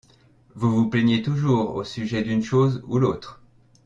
Vous vous plaignez toujours au sujet d'une chose ou l'autre.